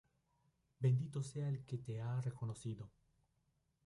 bendito sea el que te ha reconocido.